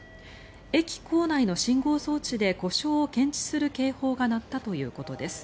駅構内の信号装置で故障を検知する警報が鳴ったということです。